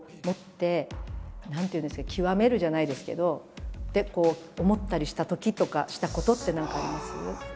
何ていうんですか極めるじゃないですけどって思ったりしたときとかしたことって何かあります？